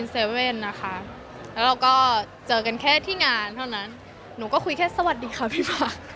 แล้วเราก็เจอกันแค่ที่งานเท่านั้นหนูก็คุยแค่สวัสดีค่ะพี่ฟ้า